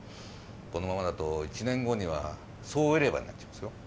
このままだと１年後には総入れ歯になっちゃいますよ